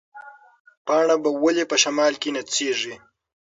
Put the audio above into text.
پاڼه به ولې په شمال کې نڅېږي؟